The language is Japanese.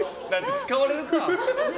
使われるか？